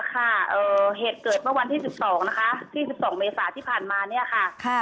เหตุเกิดว่านที่๑๒นะคะ๒๐๑๒เมษาที่ผ่านมานี่ค่ะ